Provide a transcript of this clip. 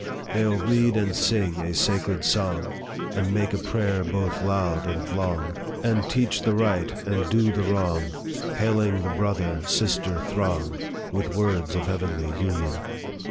a They '11 read and sing a sacred song, And make a prayer both loud and long, 124 APPENDIX TO THE And teach the right and do the wrong, Hailing the brother, sister throng, With words of heavenly union.